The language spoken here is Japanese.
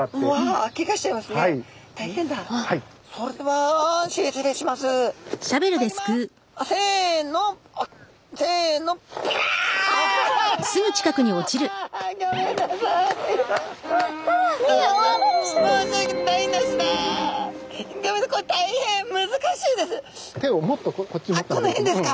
あこの辺ですか。